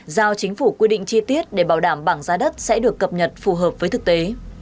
giao chính phủ quy định chi tiết để bảo đảm bảng giá đất sẽ được cập nhật phù hợp với thực tế